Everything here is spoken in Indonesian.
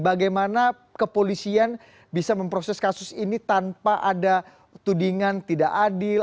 bagaimana kepolisian bisa memproses kasus ini tanpa ada tudingan tidak adil